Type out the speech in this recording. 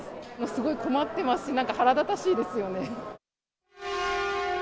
すごい困ってますし、なんか腹立たしいですよね。